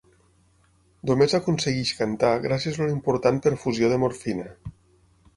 Només aconsegueix cantar gràcies a una important perfusió de morfina.